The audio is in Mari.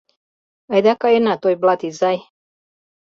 Айда каена, Тойблат изай.